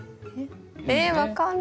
えっ分かんない。